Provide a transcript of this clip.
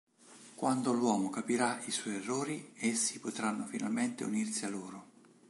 Quando l'uomo capirà i suoi errori, essi potranno finalmente unirsi a loro.